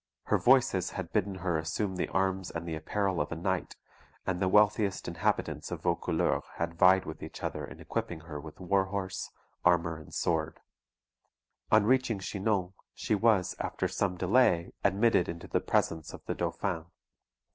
Her Voices had bidden her assume the arms and the apparel of a knight; and the wealthiest inhabitants of Vaucouleurs had vied with each other in equipping her with warhorse, armour, and sword. On reaching Chinon, she was, after some delay, admitted into the presence of the Dauphin.